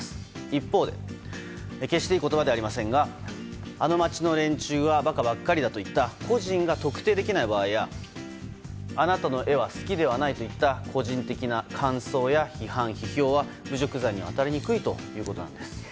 一方で、決していい言葉ではありませんがあの街の連中はバカばっかりだといった個人が特定できない場合やあなたの絵は好きではないといった個人的な感想や批判・批評は侮辱罪には当たりにくいということです。